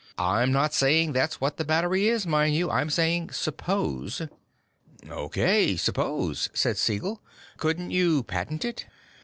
I'm not saying that's what the battery is, mind you; I'm saying 'suppose'." "O.K., suppose," said Siegel. "Couldn't you patent it?"